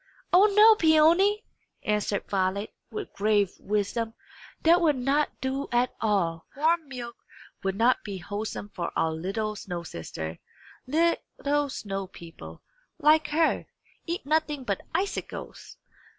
"O no, Peony!" answered Violet, with grave wisdom. "That will not do at all. Warm milk will not be wholesome for our little snow sister. Little snow people, like her, eat nothing but icicles.